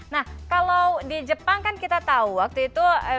nah kalau di jepang kan kita tahu waktu itu